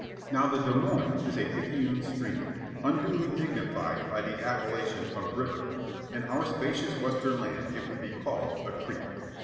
Now the Des Moines is a picayune stream, unduly dignified by the appellation of "river." In our spacious western land it would be called a "creek."